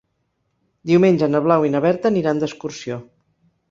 Diumenge na Blau i na Berta aniran d'excursió.